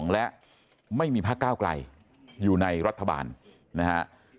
และไม่มีพักก้าวไกลอยู่ในรัฐบาลนะฮะ